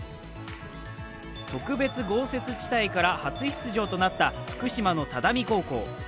特別豪雪地帯から初出場となった福島の只見高校。